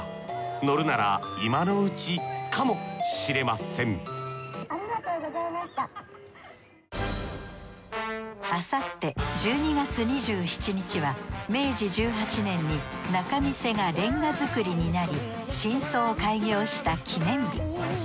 乗るなら今のうちかもしれませんあさって１２月２７日は明治１８年に仲見世が煉瓦造りになり新装開業した記念日。